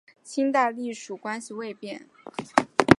清代隶属关系未变。